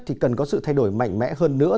thì cần có sự thay đổi mạnh mẽ hơn nữa